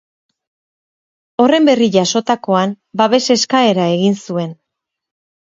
Horren berri jasotakoan, babes eskaera egin zuen.